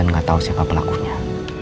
dan nggak tahu siapa pelakunya